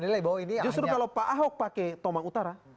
justru kalau pak ahok pakai tomang utara